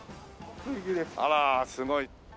あらすごい。